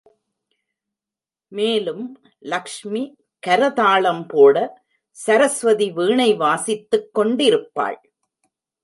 மேலும் லக்ஷ்மி கரதாளம் போட, சரஸ்வதி வீணை வாசித்துக் கொண்டிருப்பாள்.